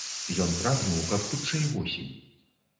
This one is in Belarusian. Ён прагнуў, каб хутчэй восень.